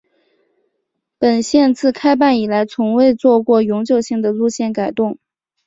本线自开办以来从未做过永久性的路线改动。